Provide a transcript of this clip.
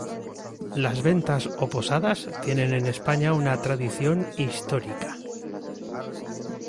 Las ventas o posadas tienen en España una tradición histórica.